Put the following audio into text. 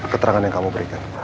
keterangan yang kamu berikan